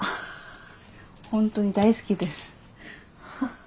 本当に大好きです。